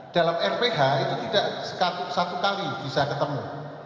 dalam rph itu tidak satu kali bisa ketemu